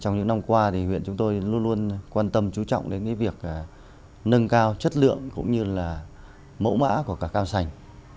trong những năm qua thì huyện chúng tôi luôn luôn quan tâm chú trọng đến việc nâng cao chất lượng cũng như là mẫu mã của cả cam sành